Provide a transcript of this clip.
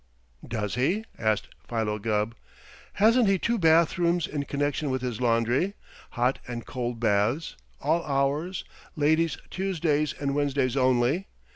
"Does he?" asked Philo Gubb. "Hasn't he two bathrooms in connection with his laundry. 'Hot and Cold Baths, All hours. Ladies Tuesdays and Wednesdays Only?'"